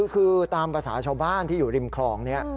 คือตามภาษาชาวบ้านที่อยู่ริมคลองนี้